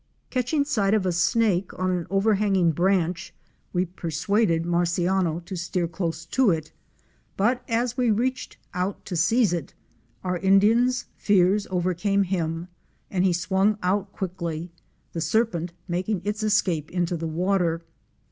Catching sight of a snake on an overhanging branch, we persuaded Marciano to steer close to it, but as we reached out to seize it, our Indian's fears overcame him and he swung out quickly, the serpent making its escape into the water.